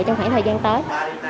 trong khoảng thời gian tới